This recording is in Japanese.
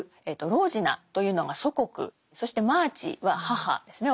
「ローヂナ」というのが「祖国」そして「マーチ」は「母」ですね。